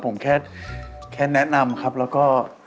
ผมแค่แนะนำครับแล้วก็